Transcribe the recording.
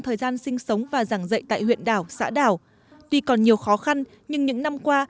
thời gian sinh sống và giảng dạy tại huyện đảo xã đảo tuy còn nhiều khó khăn nhưng những năm qua